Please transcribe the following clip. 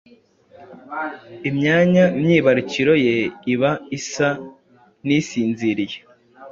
imyanya myibarukiro ye iba isa n’isinziriye.